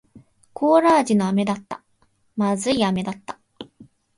コーラ味の飴だった。不味い飴だった。